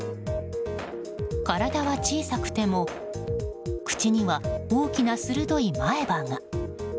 体は小さくても口には、大きな鋭い前歯が。